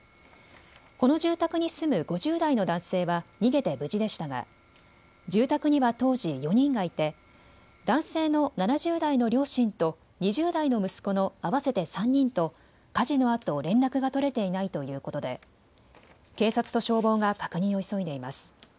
この住宅に住む５０代の男性は逃げて無事でしたが住宅には当時、４人がいて男性の７０代の両親と２０代の息子の合わせて３人と火事のあと連絡が取れていないということで警察と消防が確認を急いでいます。